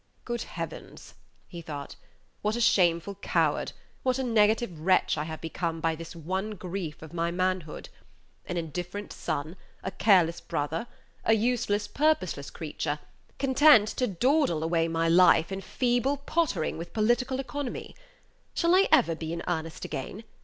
"Good Heavens!" he thought, "what a shameful coward, what a negative wretch I have become by this one grief of my manhood! An indifferent son, a careless brother, a useless, purposeless creature, content to dawdle away my life in feeble pottering with political economy. Shall I ever be in earnest again?